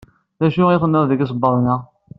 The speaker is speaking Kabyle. D acu tenniḍ deg isebbaḍen-a?